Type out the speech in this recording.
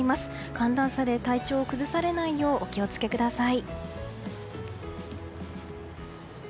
寒暖差で体調を崩されないようお気を付けください。